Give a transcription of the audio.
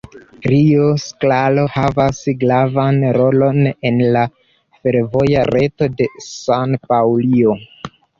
Rio Claro havas gravan rolon en la fervoja reto de San-Paŭlio.